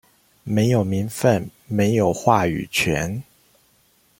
沒有名份，沒有話語權